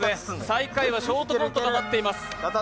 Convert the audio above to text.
最下位はショートコントが待っています。